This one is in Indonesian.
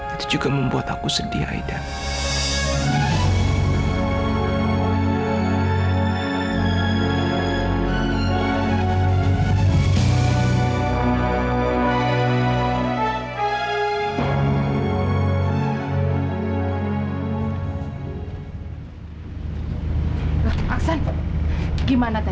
itu juga membuat aku sedih aida